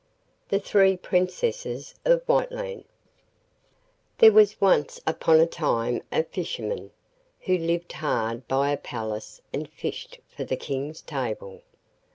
THE THREE PRINCESSES OF WHITELAND There was once upon a time a fisherman, who lived hard by a palace and fished for the King's table.